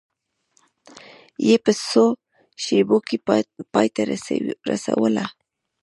یې په څو شېبو کې پای ته رسوله.